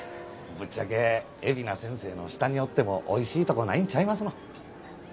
ぶっちゃけ海老名先生の下におっても美味しいとこないんちゃいますの？